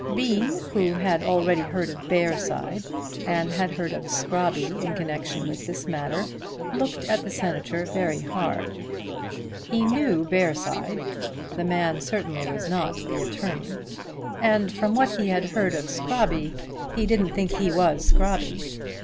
Bean, who had already heard of Bearside and had heard of Scrobby in connection with this matter, looked at the Senator very hard. He knew Bearside. The man certainly was not the attorney, and from what he had heard of Scrobby he didn't think he was Scrobby.